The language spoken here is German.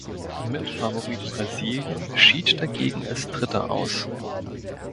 Mitfavorit Brasilien schied dagegen als Dritter aus.